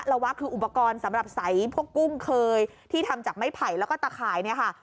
วะคืออุปกรณ์สำหรับใสพวกกุ้งเคยที่ทำจากไม้ไผ่แล้วก็ตะข่ายเนี่ยค่ะ